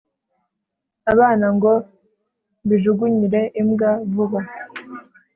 abana ngo mbijugunyire imbwa vuba